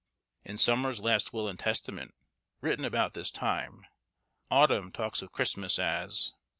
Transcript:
In 'Summer's Last Will and Testament,' written about this time, Autumn talks of Christmas, as—